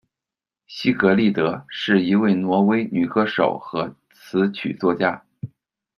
西格丽德，是一位挪威女歌手和词曲作家。